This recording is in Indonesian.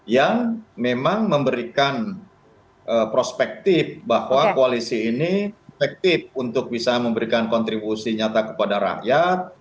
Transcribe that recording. yang memang memberikan perspektif bahwa koalisi ini efektif untuk bisa memberikan kontribusi nyata kepada rakyat